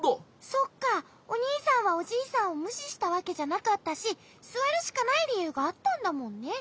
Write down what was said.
そっかおにいさんはおじいさんをむししたわけじゃなかったしすわるしかないりゆうがあったんだもんね。